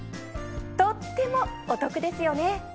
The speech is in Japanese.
とってもお得ですよね。